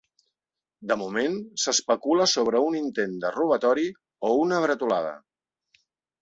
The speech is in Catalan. De moment, s’especula sobre un intent de robatori o una bretolada.